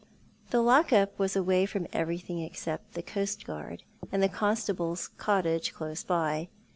The lock up was away from everything except the coastguard, and the constable's cottage close by.